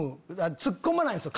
ツッコまないんすよ